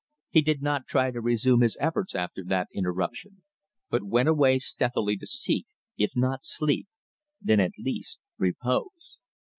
He did not try to resume his efforts after that interruption, but went away stealthily to seek if not sleep then, at least, repose.